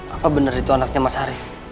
apa benar itu anaknya mas haris